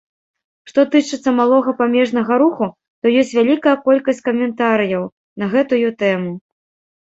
Што тычыцца малога памежнага руху, то ёсць вялікая колькасць каментарыяў на гэтую тэму.